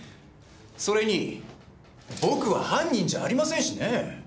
それに僕は犯人じゃありませんしね。